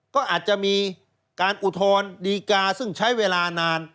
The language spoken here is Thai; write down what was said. ก็อาจจะมีการอุทธรณ์ดีกาซึ่งใช้เวลานาน